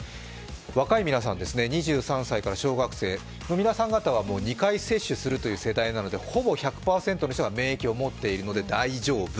若い皆さん、２３歳から小学生の皆さん方はもう２回接種するという世代なのでほぼ１００％の人が免疫を持っているので大丈夫。